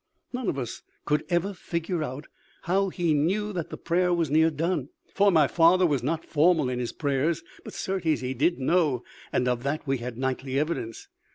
None of us ever could find out how he knew that the prayer was near done, for my father was not formal in his prayers; but certes he did know, and of that we had nightly evidence.